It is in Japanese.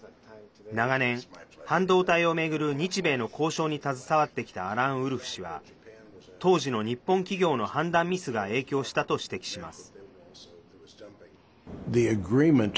長年、半導体を巡る日米の交渉に携わってきたアラン・ウルフ氏は当時の日本企業の判断ミスが影響したと指摘します。